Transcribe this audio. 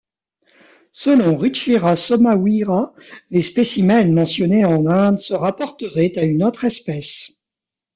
Selon Ruchira Somaweera les spécimens mentionnés en Inde se rapporteraient à une autre espèce.